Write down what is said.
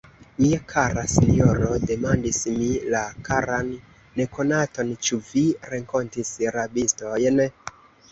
Mia kara sinjoro, demandis mi la karan nekonaton, ĉu vi renkontis rabistojn?